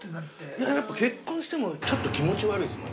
◆いややっぱ、結婚してもちょっと気持ち悪いですもん。